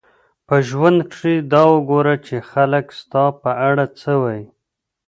په ژوند کښي دا وګوره، چي خلک ستا په اړه څه وايي.